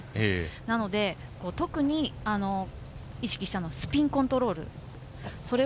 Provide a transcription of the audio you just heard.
なので、特に意識したのはスピンコントロール。